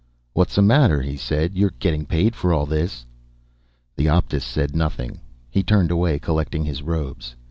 "What's the matter?" he said. "You're getting paid for all this." The Optus said nothing. He turned away, collecting his robes.